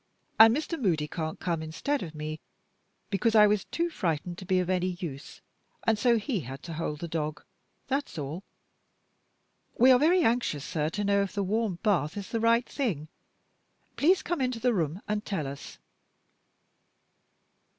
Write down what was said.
And Mr. Moody can't come instead of me, because I was too frightened to be of any use, and so he had to hold the dog. That's all. We are very anxious sir, to know if the warm bath is the right thing. Please come into the room and tell us."